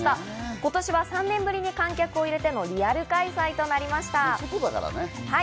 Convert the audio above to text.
今年は３年ぶりに観客を入れてのリアル開催となりました。